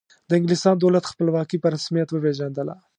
د انګلستان دولت خپلواکي په رسمیت وپیژندله.